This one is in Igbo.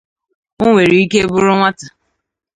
o nwere ike bụrụ nwata.